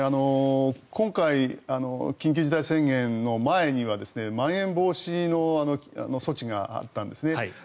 今回緊急事態宣言の前にはまん延防止の措置があったんですね。